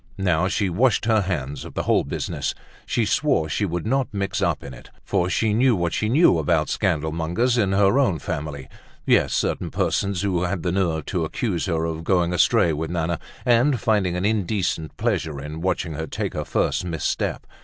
Now, she washed her hands of the whole business; she swore she would not mix up in it, for she knew what she knew about scandalmongers in her own family, yes, certain persons who had the nerve to accuse her of going astray with Nana and finding an indecent pleasure in watching her take her first misstep.